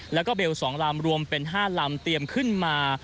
แล้วก็เบล๒ลำรวมเป็น๕ลำเตรียมขึ้นมา